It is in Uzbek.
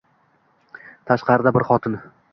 Tashqarida. Bir xotin.